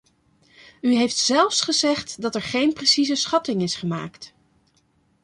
U heeft zelfs gezegd dat er geen precieze schatting is gemaakt.